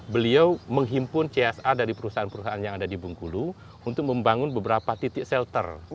beliau menghimpun csr dari perusahaan perusahaan yang ada di bengkulu untuk membangun beberapa titik shelter